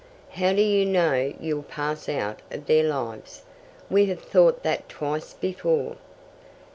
"How do you know you'll pass out of their lives? We have thought that twice before."